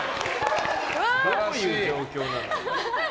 どういう状況なの？